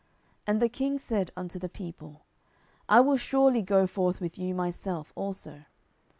And the king said unto the people, I will surely go forth with you myself also.